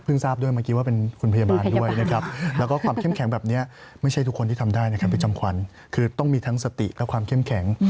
ทราบด้วยเมื่อกี้ว่าเป็นคุณพยาบาลด้วยนะครับแล้วก็ความเข้มแข็งแบบนี้ไม่ใช่ทุกคนที่ทำได้นะครับพี่จำขวัญคือต้องมีทั้งสติและความเข้มแข็ง